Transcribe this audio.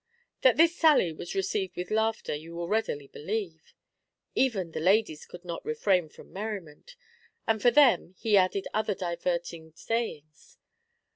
That this sally was received with laughter you will readily believe. Even the ladies could not refrain from merriment, and for them he added other diverting sayings.